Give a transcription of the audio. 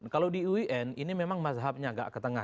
kalau di uin ini memang mazhabnya agak ke tengah